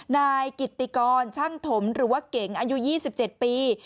นายกิตติกรช่างถมหรือว่าเก๋งอายุ๒๗ปี